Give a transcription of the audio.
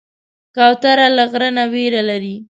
کوتره له غره نه ویره لري.